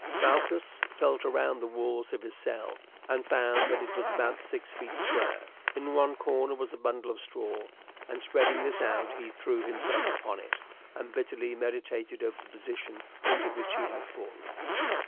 Malchus felt round the walls of his cell and found that it was about six feet square. In one corner was a bundle of straw, and, spreading this out, he threw himself upon it and bitterly meditated over the position into which he had fallen.